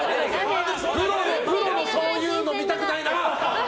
プロのそういうの見たくないな！